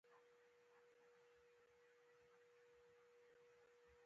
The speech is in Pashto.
د ټولوال روغتون د ډاکټرانو کار بندي پای ته ورسېده.